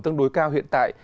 tương đối cao hiện tại